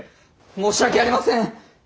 申し訳ありません。